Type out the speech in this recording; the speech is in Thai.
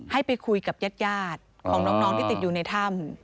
ให้ไปคุยกับญาติของน้องที่ติดอยู่ในถ้ำ